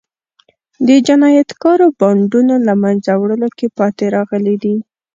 د جنایتکارو بانډونو له منځه وړلو کې پاتې راغلي دي.